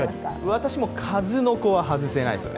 私も数の子は外せないですよね。